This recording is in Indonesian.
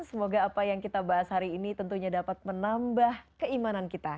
semoga apa yang kita bahas hari ini tentunya dapat menambah keimanan kita